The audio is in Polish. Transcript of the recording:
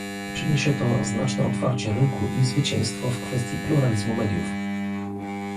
Przyniesie to znaczne otwarcie rynku i zwycięstwo w kwestii pluralizmu mediów